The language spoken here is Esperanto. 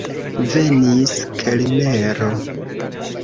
Venis kelnero.